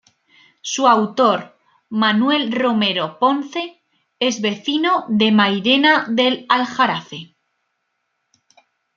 Su autor, Manuel Romero Ponce, es vecino de Mairena del Aljarafe.